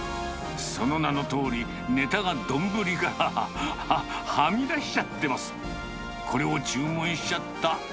その名のとおり、ネタが丼からはみ出しちゃってます。